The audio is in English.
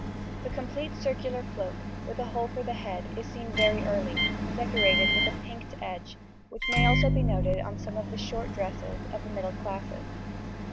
The complete circular cloak, with a hole for the head, is seen very early, decorated with a pinked edge, which may also be noted on some of the short dresses of the middle classes.